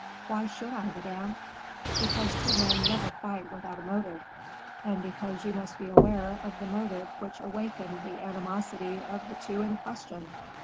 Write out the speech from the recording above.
"Why should I, madame?" "Because two men never fight without a motive, and because you must be aware of the motive which awakened the animosity of the two in question."